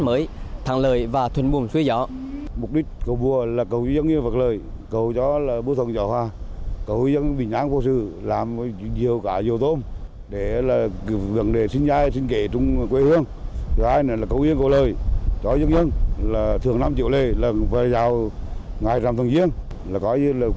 mới thắng lời và thuần bùm xuôi gió